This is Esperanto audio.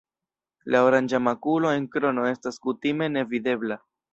La oranĝa makulo en krono estas kutime nevidebla.